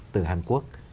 từ hàn quốc